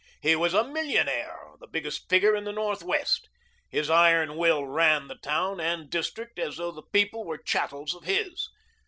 He was a millionaire, the biggest figure in the Northwest. His iron will ran the town and district as though the people were chattels of his.